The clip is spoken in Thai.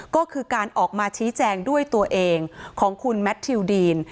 ก็คือการออกมาชี้แจงด้วยตัวเองของคุณแมททิวดีน